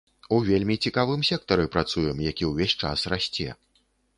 У вельмі цікавым сектары працуем, які ўвесь час расце.